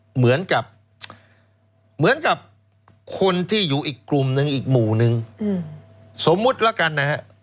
เหมือนกับคนที่อยู่อีกกลุ่มนึงอีกหมู่นึงสมมุติละกันนะฮะ